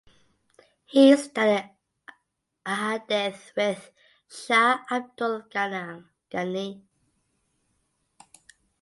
He studied ahadith with Shah Abdul Ghani.